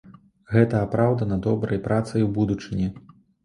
Гэта апраўдана добрай працай у будучыні.